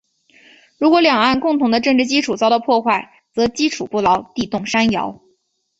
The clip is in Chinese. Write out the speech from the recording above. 如果两岸共同的政治基础遭到破坏，则基础不牢，地动山摇。